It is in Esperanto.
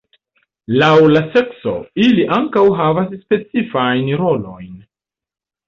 Laŭ la sekso, ili ankaŭ havas specifajn rolojn.